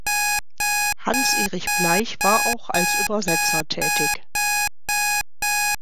Hans Erich Blaich war auch als Übersetzer tätig.